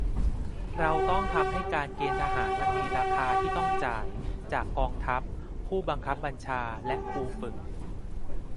เราต้องทำให้การเกณฑ์ทหารมันมี 'ราคา' ที่ต้องจ่าย จากกองทัพ ผู้บังคับบัญชาและครูฝึก